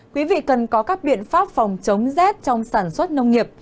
quý vị cần có các biện pháp phòng chống rét trong sản xuất nông nghiệp